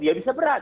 dia bisa berat